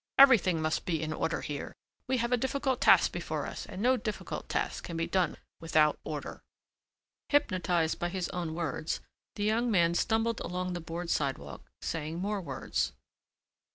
Everything must be in order here. We have a difficult task before us and no difficult task can be done without order." Hypnotized by his own words, the young man stumbled along the board sidewalk saying more words.